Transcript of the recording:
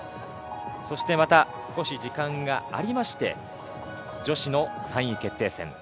そしてまた少し時間がありまして女子の３位決定戦。